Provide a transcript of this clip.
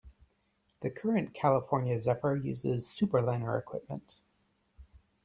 The current "California Zephyr" uses Superliner equipment.